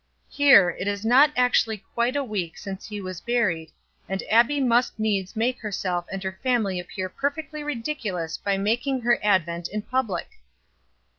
"Here, it is not actually quite a week since he was buried, and Abbie must needs make herself and her family appear perfectly ridiculous by making her advent in public."